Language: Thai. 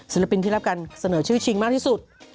ปินที่รับการเสนอชื่อชิงมากที่สุด